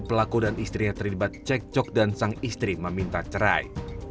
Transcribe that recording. pelaku dan istrinya terlibat cek cok dan sang istri meminta cerai